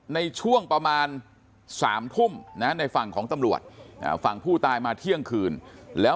ในช่วงประมาณ๓ทุ่มนะในฝั่งของตำรวจฝั่งผู้ตายมาเที่ยงคืนแล้ว